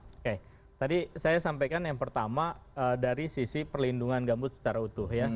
oke tadi saya sampaikan yang pertama dari sisi perlindungan gambut secara utuh ya